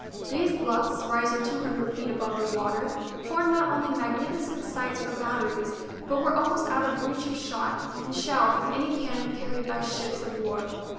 These bluffs, rising two hundred feet above the water, formed not only magnificent sites for batteries, but were almost out of reach of shot and shell from any cannon carried by the ships of war.